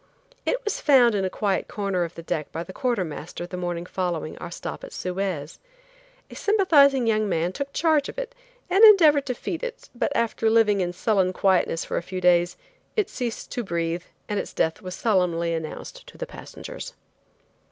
It was found in a quiet corner of the deck by the quarter master the morning following our stop at Suez. A sympathizing young man took charge of it and endeavored to feed it, but after living in sullen quietness for a few days, it ceased to breathe and its death was solemnly announced to the passengers.